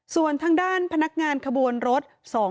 ส่วนทางด้านพนักงานขบวนรถ